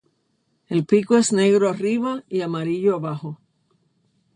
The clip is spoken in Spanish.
El pico es negro arriba y amarillo abajo.